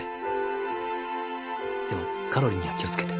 でもカロリーには気をつけて。